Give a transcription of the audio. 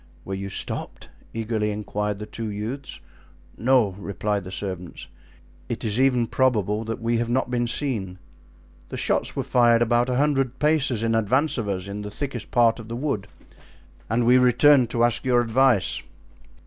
"Were you stopped?" eagerly inquired the two youths. "No," replied the servants, "it is even probable that we have not been seen; the shots were fired about a hundred paces in advance of us, in the thickest part of the wood, and we returned to ask your advice."